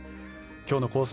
今日のコース